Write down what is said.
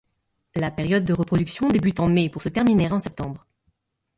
La période de reproduction débute en mai pour se terminer en septembre.